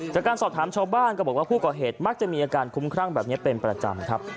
จากการสอบถามชาวบ้านก็บอกว่าผู้ก่อเหตุมักจะมีอาการคุ้มครั่งแบบนี้เป็นประจำครับ